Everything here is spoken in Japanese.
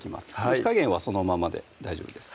火加減はそのままで大丈夫です